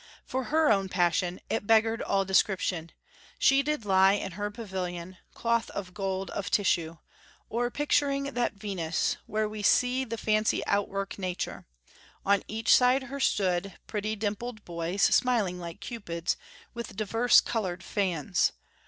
For her own person, It beggar'd all description: she did lie In her pavilion (cloth of gold of tissue) O'er picturing that Venus, where we see The fancy outwork nature: on each side her Stood pretty dimpled boys, like smiling Cupids, With diverse color'd fans....